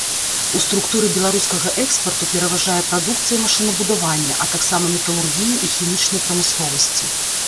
У структуры беларускага экспарту пераважае прадукцыя машынабудавання, а таксама металургіі і хімічнай прамысловасці.